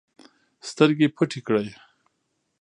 سترګې پټې کړې